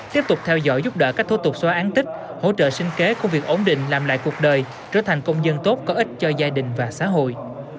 tiếp tục theo dõi giúp đỡ các thủ tục xóa án tích hỗ trợ sinh kế công việc ổn định làm lại cuộc đời trở thành công dân tốt có ích cho gia đình và xã hội